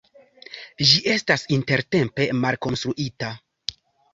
Ĝi estas intertempe malkonstruita.